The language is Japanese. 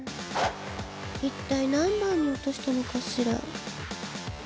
いったい何番に落としたのかしら？